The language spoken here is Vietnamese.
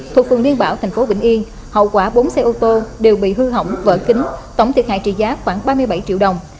thuộc phường liên bảo thành phố vĩnh yên hậu quả bốn xe ô tô đều bị hư hỏng vỡ kính tổng thiệt hại trị giá khoảng ba mươi bảy triệu đồng